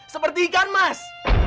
seperti ikan mas